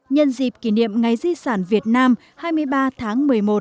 nhân dịp kỷ niệm ngày di sản việt nam hai mươi ba tháng một mươi một